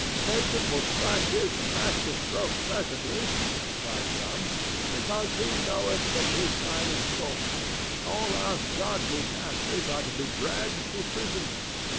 "Satan will strike his master stroke presently," cried some, "because he knoweth that his time is short. All our godly pastors are to be dragged to prison.